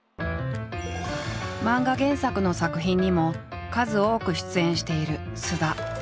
漫画原作の作品にも数多く出演している菅田。